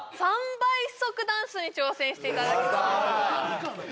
３倍速ダンスに挑戦していただきます